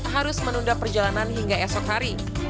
harus menunda perjalanan hingga esok hari